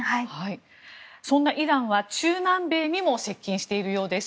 そんなイランは中南米にも接近しているようです。